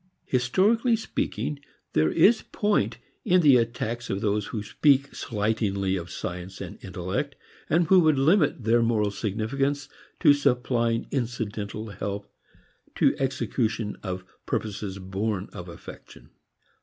Historically speaking, there is point in the attacks of those who speak slightingly of science and intellect, and who would limit their moral significance to supplying incidental help to execution of purposes born of affection.